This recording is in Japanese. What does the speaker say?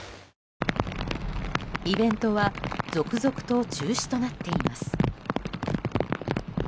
イベントは続々と中止となっています。